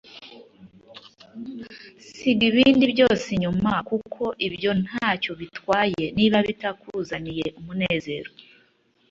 Siga ibindi byose inyuma kuko mubyukuri ntacyo bitwaye niba bitakuzaniye umunezero. ”